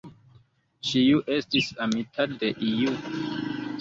Ĉiu estis amita de iu.